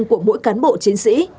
của mỗi cán bộ chiến sĩ